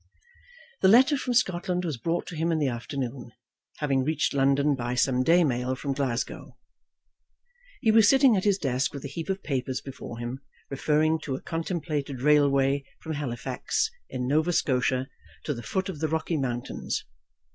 The letter from Scotland was brought to him in the afternoon, having reached London by some day mail from Glasgow. He was sitting at his desk with a heap of papers before him referring to a contemplated railway from Halifax, in Nova Scotia, to the foot of the Rocky Mountains.